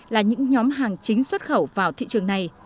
là những nhóm hàng chính xuất khẩu vào thị trường này